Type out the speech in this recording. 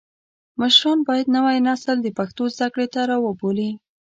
مشران باید نوی نسل د پښتو زده کړې ته راوبولي.